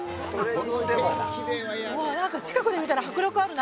近くで見たら迫力あるな。